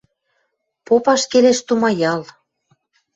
Попаш келеш тумаял.